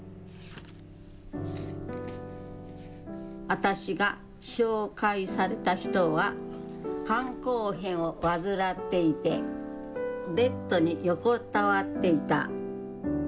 私が紹介された人は肝硬変を患っていてベッドに横たわっていた。